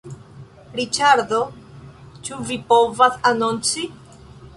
Riĉardo, ĉu vi povas anonci?